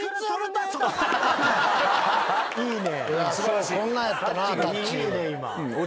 いいね。